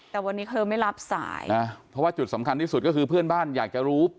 แต่วันนี้เธอไม่รับสายนะเพราะว่าจุดสำคัญที่สุดก็คือเพื่อนบ้านอยากจะรู้